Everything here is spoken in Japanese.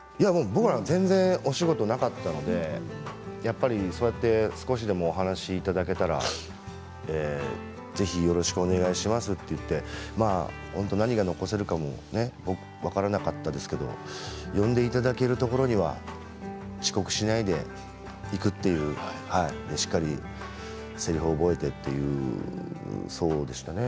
僕なんか全然お仕事がなかったので少しでもお話をいただけたらぜひよろしくお願いしますと言って本当に何が残せるかも分からなかったですけど呼んでいただけるところには遅刻しないで行くというそしてしっかりせりふを覚えてっていうそうでしたね